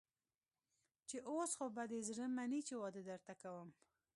چې اوس خو به دې زړه مني چې واده درته کوم.